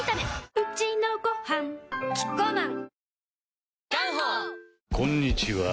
うちのごはんキッコーマン